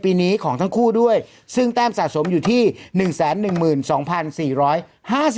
พี่ปั๊ดเดี๋ยวมาที่ร้องให้